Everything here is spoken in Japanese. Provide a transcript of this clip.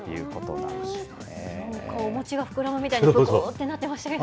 なんかお餅が膨らむみたいに、ぷくーってなってましたけど。